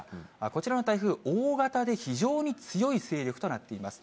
こちらの台風、大型で非常に強い勢力となっています。